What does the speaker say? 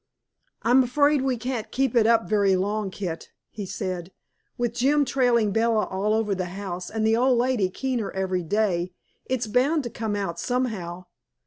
"I'm afraid we can't keep it up very long, Kit," he said. "With Jim trailing Bella all over the house, and the old lady keener every day, it's bound to come out somehow.